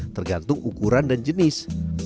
tergantung ukuran dan jenis